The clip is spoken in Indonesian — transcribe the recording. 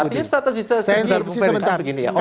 artinya strategisnya saya interupsi sebentar